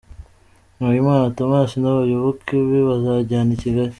Nahimana Tomas n’abayoboke be bazajyana i Kigali